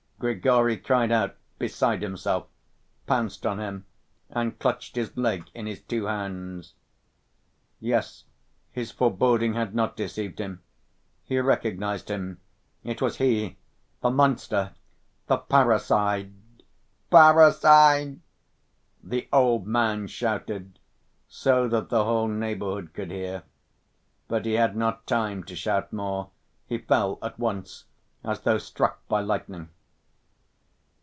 Grigory cried out, beside himself, pounced on him, and clutched his leg in his two hands. Yes, his foreboding had not deceived him. He recognized him, it was he, the "monster," the "parricide." "Parricide!" the old man shouted so that the whole neighborhood could hear, but he had not time to shout more, he fell at once, as though struck by lightning.